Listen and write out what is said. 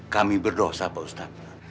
kami berdosa pak ustadz